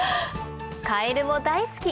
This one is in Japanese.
カエルも大好き！